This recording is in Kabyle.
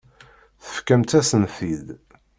Tefkamt-asen-t-id.